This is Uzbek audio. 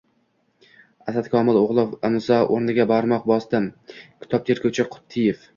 Asad Komil o‘g‘li. Imzo o‘rnida barmoq bosdim. Kotib: tergovchi Quttiyev”.